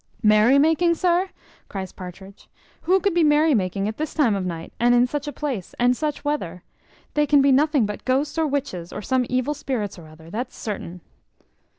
"Merry making, sir!" cries Partridge; "who could be merry making at this time of night, and in such a place, and such weather? They can be nothing but ghosts or witches, or some evil spirits or other, that's certain."